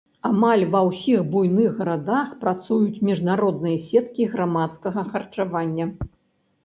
Амаль ва ўсіх буйных гарадах працуюць міжнародныя сеткі грамадскага харчавання.